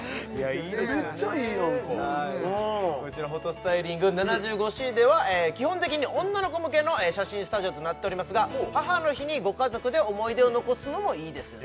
めっちゃいいやんかこちらｐｈｏｔｏｓｔｙｌｉｎｇ７５ｃでは基本的に女の子向けの写真スタジオとなっておりますが母の日にご家族で思い出を残すのもいいですよね